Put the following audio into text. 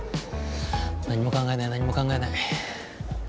何も考えない何も考えない。